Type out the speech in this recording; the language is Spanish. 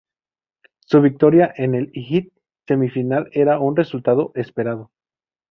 Su victoria en el hit semifinal era un resultado esperado.